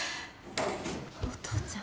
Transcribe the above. お父ちゃん。